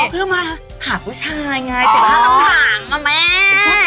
เพื่อมาหาผู้ชายไงสิบห้าหลังห่างอ่ะแม่